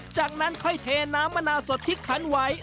จากนั้นค่อยเทน้ำมะนาวสดที่คันไว้